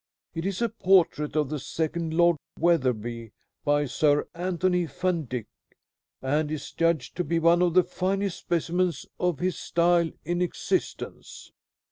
It is a portrait of the second Lord Wetherby by Sir Anthony Van Dyck, and is judged to be one of the finest specimens of his style in existence."